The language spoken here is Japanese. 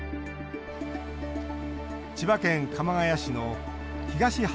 千葉県鎌ケ谷市の東初富